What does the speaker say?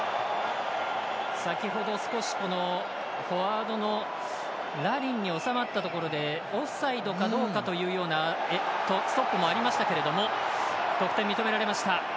先ほど少しフォワードのラリンに収まったところでオフサイドかどうかというようなストップもありましたけど得点、認められました。